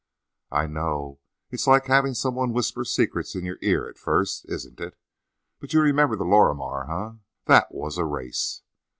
"I know. It's like having some one whisper secrets in your ear, at first, isn't it? But you remember the Lorrimer, eh? That was a race!"